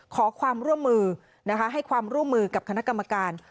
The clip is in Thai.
ขอความร่วมมือนะคะให้ความร่วมมือกับคณะกรรมการ